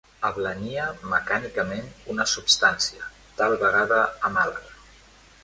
Ablania mecànicament una substància, tal vegada a Màlaga.